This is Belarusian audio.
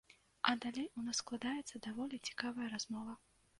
А далей у нас складаецца даволі цікавая размова.